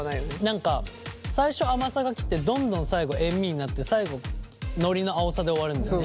何か最初甘さがきてどんどん最後塩味になって最後のりの青さで終わるんだよね。